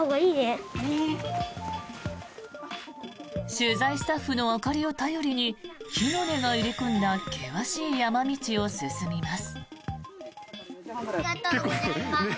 取材スタッフの明かりを頼りに木の根が入り組んだ険しい山道を進みます。